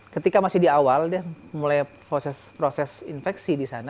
ketika masih di awal dia mulai proses infeksi di sana